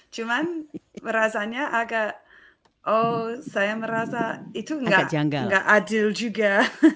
cuman merasanya agak oh saya merasa itu nggak adil juga